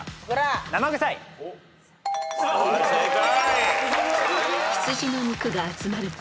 正解。